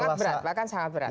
sangat berat bahkan sangat berat